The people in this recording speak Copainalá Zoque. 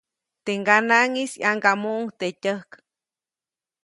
Teʼ ŋganaʼŋis ʼyaŋgamuʼuŋ teʼ tyäjk.